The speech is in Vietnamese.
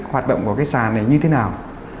hoạt động của cái sản này như thế nào